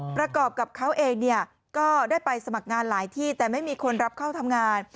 ประกอบกับเขาเองก็ได้ไปสมัครงานหลายที่แต่ไม่มีคนรับเข้าทำงาน